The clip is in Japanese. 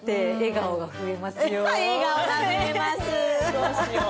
どうしよう。